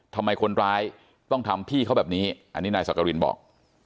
ทำไมคนร้ายต้องทำพี่เขาแบบนี้อันนี้นายสักกรินบอก